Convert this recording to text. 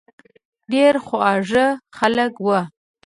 ډېر خواږه خلک وو.